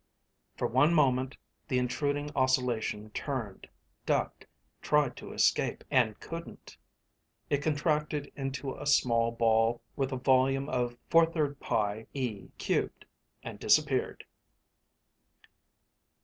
_) For one moment, the intruding oscillation turned, ducked, tried to escape, and couldn't. It contracted into a small ball with a volume of 4/3pi_e_^, and disappeared.